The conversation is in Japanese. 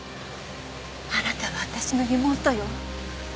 あなたは私の妹よ。